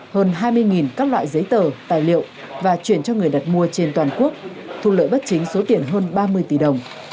hơn hai mươi các loại giấy tờ tài liệu và chuyển cho người đặt mua trên toàn quốc thu lợi bất chính số tiền hơn ba mươi tỷ đồng